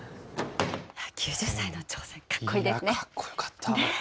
９０歳の挑戦、かっこいいですね。